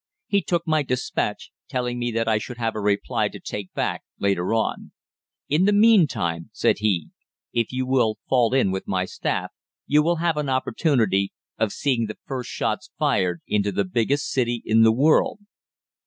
He took my despatch, telling me that I should have a reply to take back later on. 'In the meanwhile,' said he, 'if you will fall in with my staff you will have an opportunity of seeing the first shots fired into the biggest city in the world.'